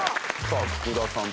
さあ福田さん